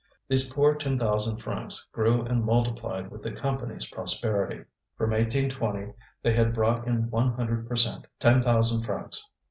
Those poor ten thousand francs grew and multiplied with the Company's prosperity. From 1820 they had brought in one hundred per cent, ten thousand francs.